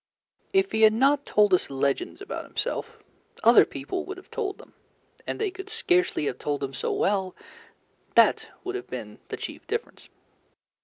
If he had not told us legends about himself, other people would have told them, and they could scarcely have told them so well: that would have been the chief difference.